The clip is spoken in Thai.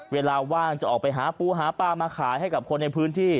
เวลาว่างจะออกไปหาปูหาปลามาขายให้กับคนในพื้นที่